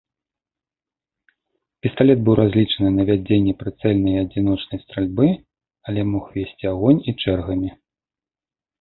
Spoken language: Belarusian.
Пісталет быў разлічаны на вядзенне прыцэльнай адзіночнай стральбы, але мог весці агонь і чэргамі.